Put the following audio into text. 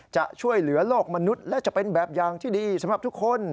จะช่วยเหลือโลกมนุษย์และจะเป็นแบบอย่างที่ดีสำหรับทุกคน